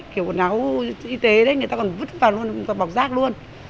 kiểu quần áo y tế đấy người ta còn vứt vào luôn bọc rác luôn